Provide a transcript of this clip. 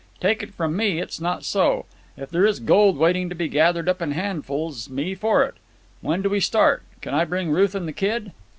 Take it from me, it's not so. If there is gold waiting to be gathered up in handfuls, me for it. When do we start? Can I bring Ruth and the kid?"